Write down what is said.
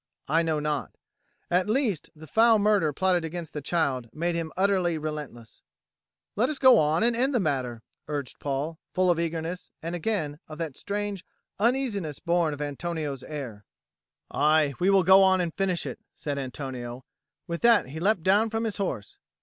I know not. At least, the foul murder plotted against the child made him utterly relentless. "Let us go on and end the matter," urged Paul, full of eagerness, and, again, of that strange uneasiness born of Antonio's air. "Ay, we will go on and finish it," said Antonio, and with that he leapt down from his horse.